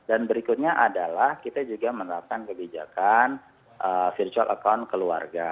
dan berikutnya adalah kita juga menerapkan kebijakan virtual account keluarga